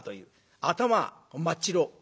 頭真っ白。